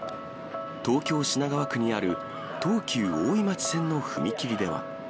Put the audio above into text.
東京・品川区にある東急大井町線の踏切では。